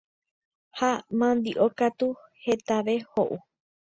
ha mandi'o katu hetave ho'u